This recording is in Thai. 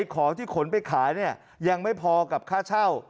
ของที่ขนไปขายยังไม่พอกับค่าเช่า